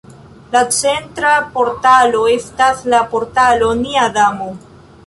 La centra portalo estas la Portalo Nia Damo.